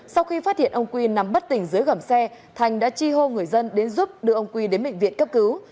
sau khi phát hiện ông quy nằm bất tỉnh dưới gầm xe thành đã chi hô người dân đến giúp đưa ông quy đến bệnh viện cấp cứu